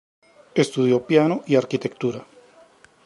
Estudió piano y arquitectura.